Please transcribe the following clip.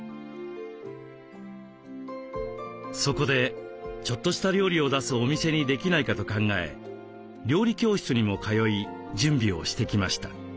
そこでちょっとした料理を出すお店にできないかと考え料理教室にも通い準備をしてきました。